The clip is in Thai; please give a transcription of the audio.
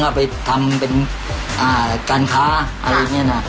ไปทำเป็นการค้าอะไรอย่างนี้นะ